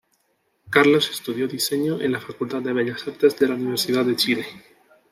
Carlos estudió diseño en la Facultad de Bellas Artes de la Universidad de Chile.